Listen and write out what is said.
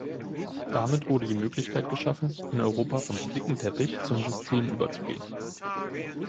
Damit wurde die Möglichkeit geschaffen, in Europa vom Flickenteppich zum System überzugehen.